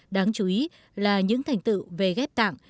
đáng chú ý là những thành tựu về ghép tạng